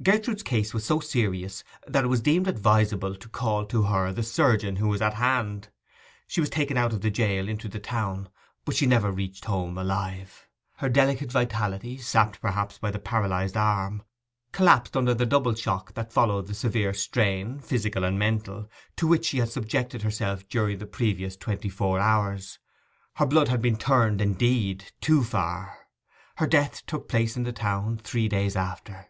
Gertrude's case was so serious that it was deemed advisable to call to her the surgeon who was at hand. She was taken out of the jail into the town; but she never reached home alive. Her delicate vitality, sapped perhaps by the paralyzed arm, collapsed under the double shock that followed the severe strain, physical and mental, to which she had subjected herself during the previous twenty four hours. Her blood had been 'turned' indeed—too far. Her death took place in the town three days after.